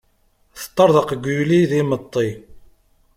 Teṭṭerḍeq Guli d imeṭṭi.